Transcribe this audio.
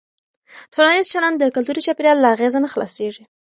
ټولنیز چلند د کلتوري چاپېریال له اغېزه نه خلاصېږي.